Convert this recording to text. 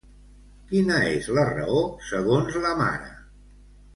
Quina és la raó segons la mare?